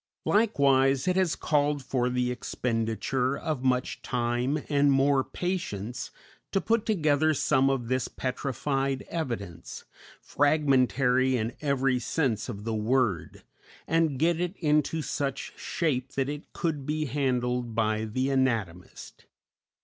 Likewise it has called for the expenditure of much time and more patience to put together some of this petrified evidence, fragmentary in every sense of the word, and get it into such shape that it could be handled by the anatomist.